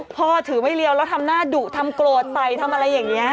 ถือไม่เรียวแล้วทำหน้าดุทำโกรธใส่ทำอะไรอย่างนี้